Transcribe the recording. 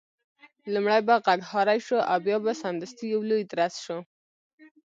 لومړی به غږهارۍ شو او بیا به سمدستي یو لوی درز شو.